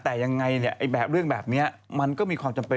แต่ยังไงเนี่ยแบบเรื่องแบบนี้มันก็มีความจำเป็น